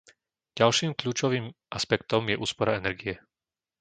Ďalším kľúčovým aspektom je úspora energie.